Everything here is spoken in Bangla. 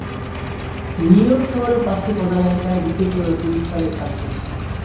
নিউইয়র্ক শহরের পাঁচটি প্রধান এলাকায় বিক্ষিপ্তভাবে পরিষ্কারের কাজ চলছে।